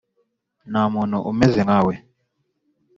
nta muntu umeze nkawe